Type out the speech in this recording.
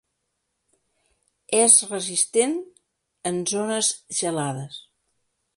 És resistent en zones gelades.